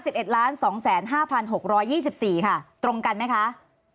๕๑๒๐๕๖๒๔บาทค่ะตรงกันไหมคะ